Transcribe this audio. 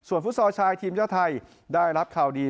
ส่วนฟุตซอลไทยทีมเจ้าไทยได้รับข่าวดี